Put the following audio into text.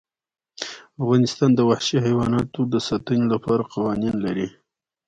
افغانستان د وحشي حیواناتو د ساتنې لپاره قوانین لري.